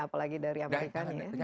apalagi dari amerikanya